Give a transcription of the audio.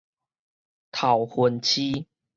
頭份市